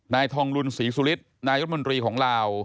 นายทองรุนศรีสุริษฐ์นายรัฐบันดรีของลาว